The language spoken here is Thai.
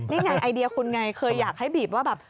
นี่ไงไอเดียคุณไงเคยอยากให้บีบว่าแบบ